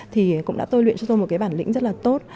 thì cũng đã tôi luyện cho tôi một cái bản lĩnh rất là tốt